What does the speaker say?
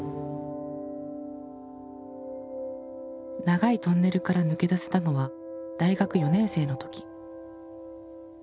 長いトンネルから抜け出せたのは大学４年生のとき。